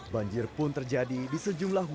banjir pun terjadi di sejumlah wilayah